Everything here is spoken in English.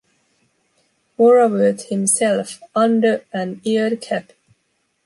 Mauravert himself, under an eared cap.